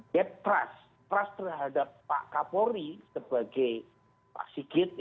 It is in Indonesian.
dep trust trust terhadap pak kapolri sebagai pak sigit